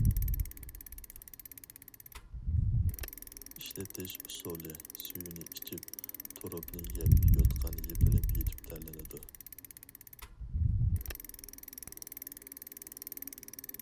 ئىشلىتىش ئۇسۇلى:سۈيىنى ئىچىپ، تۇرۇپنى يەپ يوتقان يېپىنىپ يېتىپ تەرلىنىدۇ.